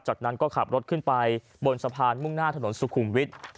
จากนั้นก็ขับรถขึ้นไปบนสะพานมุ่งหน้าถนนสุขุมวิทย์